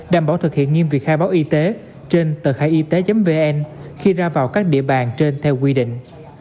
đảm bảo thực hiện nghiêm việc khai báo y tế trên tờ khaiyt vn khi ra vào các địa bàn trên theo quy định